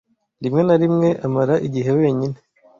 Rimwe na rimwe amara igihe wenyine.